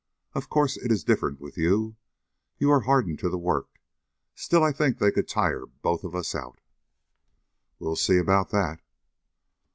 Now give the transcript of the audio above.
Of course, it is different with you. You are hardened to the work, still I think they could tire both of us out." "We'll see about that."